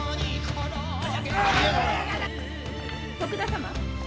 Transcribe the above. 徳田様。